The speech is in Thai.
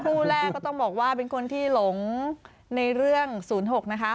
คู่แรกก็ต้องบอกว่าเป็นคนที่หลงในเรื่อง๐๖นะคะ